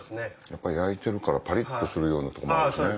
やっぱり焼いてるからパリっとするようなとこもあるしね。